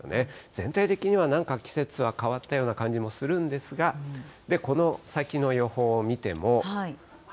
全体的にはなんか季節は変わったような感じもするんですが、この先の予報を見ても。